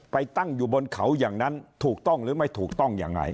ตั้งอยู่บนเขาอย่างนั้นถูกต้องหรือไม่ถูกต้องยังไง